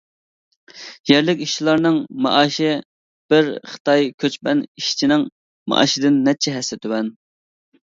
يەرلىك ئىشچىلارنىڭ مائاشى بىر خىتاي كۆچمەن ئىشچىنىڭ مائاشىدىن نەچچە ھەسسە تۆۋەن.